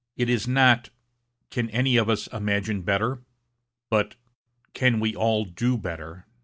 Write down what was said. It is not, 'Can any of us imagine better?' but, 'Can we all do better?'